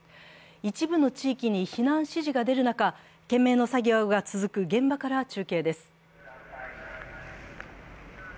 一部の地域に避難指示が出る中、懸命の作業が続く現場から中継です。